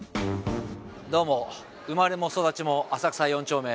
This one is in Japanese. どうも生まれも育ちも浅草４丁目。